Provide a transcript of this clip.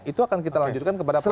itu akan kita lanjutkan kepada presiden